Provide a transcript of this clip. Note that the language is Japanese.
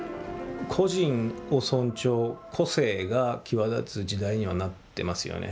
個人を尊重、個性が際立つ時代にはなってますよね。